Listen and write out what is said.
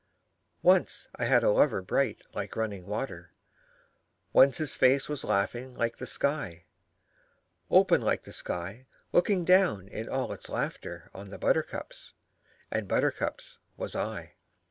Once I had a lover bright like running water, Once his face was laughing like the sky; Open like the sky looking down in all its laughter On the buttercups and buttercups was I.